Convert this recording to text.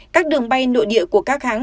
các đường bay nội địa của các hãng